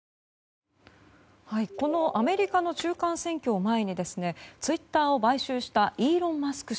このアメリカの中間選挙を前にツイッターを買収したイーロン・マスク